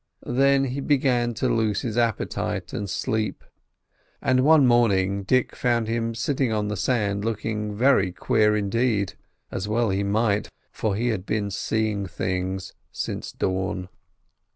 Then he began to lose his appetite and sleep; and one morning Dick found him sitting on the sand looking very queer indeed—as well he might, for he had been "seeing things" since dawn.